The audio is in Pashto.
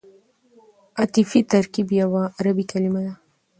عطفي ترکیب یوه عربي کلیمه ده.